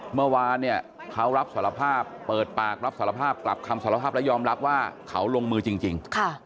เมื่อวานเนี่ยเขารับสารภาพเปิดปากรับสารภาพกลับคำสารภาพและยอมรับว่าเขาลงมือจริง